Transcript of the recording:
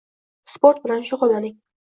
Sport bilan shug‘ullaning.